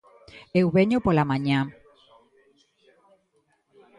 Eu veño pola mañá.